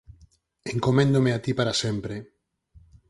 Encoméndome a ti para sempre.